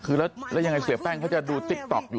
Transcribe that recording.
คือแล้วยังไงเสียแป้งเขาจะดูติ๊กต๊อกอยู่